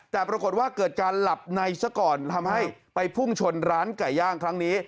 แต่ปรากฏว่าเกิดการหลับในซะก่อนทำให้ไปพุ่งชนร้านไก่ย่างครั้งนี้